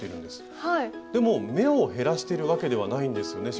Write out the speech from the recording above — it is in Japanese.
でも目を減らしてるわけではないんですよね？